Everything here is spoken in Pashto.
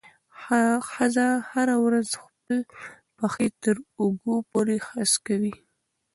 ښځه هره ورځ خپل پښې تر اوږو پورې هسکوي.